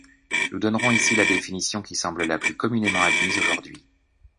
Nous donnerons ici la définition qui semble la plus communément admise aujourd'hui.